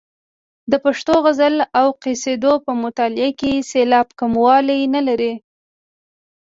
د پښتو غزل او قصیدو په مطلع کې سېلاب کموالی نه لري.